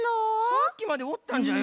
さっきまでおったんじゃよ。